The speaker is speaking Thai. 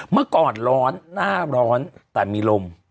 เมื่อก่อนร้อนหน้าร้อนแต่มีลม